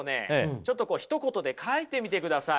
ちょっとひと言で書いてみてください。